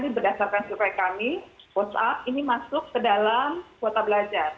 berdasarkan survei kami whatsapp ini masuk ke dalam kuota belajar